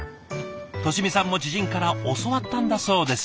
俊美さんも知人から教わったんだそうです。